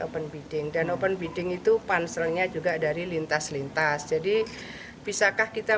open bidding dan open bidding itu panselnya juga dari lintas lintas jadi bisakah kita